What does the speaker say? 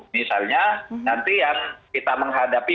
misalnya nanti yang kita menghadapi